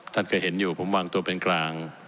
ท่านเคยเห็นอยู่ผมวางตัวเป็นกลาง